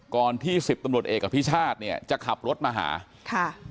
ที่สิบตำรวจเอกอภิชาติเนี่ยจะขับรถมาหาค่ะ